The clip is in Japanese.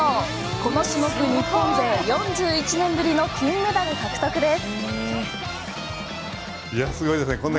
この種目、日本勢４１年ぶりの金メダル獲得です。